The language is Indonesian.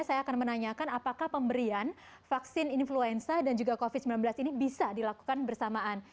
saya akan menanyakan apakah pemberian vaksin influenza dan juga covid sembilan belas ini bisa dilakukan bersamaan